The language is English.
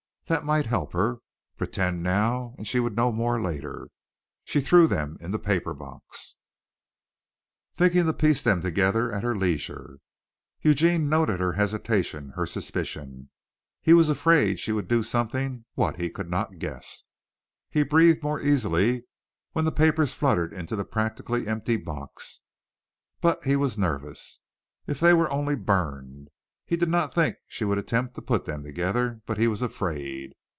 That might help her. Pretend now and she would know more later. She threw them in the paper box, thinking to piece them together at her leisure. Eugene noted her hesitation, her suspicion. He was afraid she would do something, what he could not guess. He breathed more easily when the papers fluttered into the practically empty box, but he was nervous. If they were only burned! He did not think she would attempt to put them together, but he was afraid.